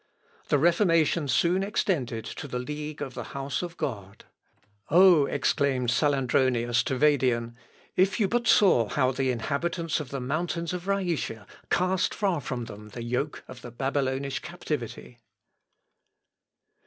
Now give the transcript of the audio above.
The Reformation soon extended to the league of "the House of God." "Oh!" exclaimed Salandronius to Vadian, "if you but saw how the inhabitants of the mountains of Rhætia cast far from them the yoke of the Babylonish captivity!"